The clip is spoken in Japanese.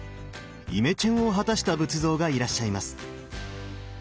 イメチェンを果たした仏像がいらっしゃいます。